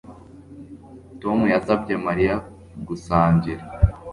Tom yasabye Mariya gusangira